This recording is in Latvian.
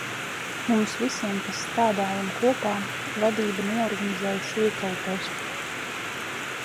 Mums visiem, kas strādājam kopā, vadība noorganizēja siekalu testu.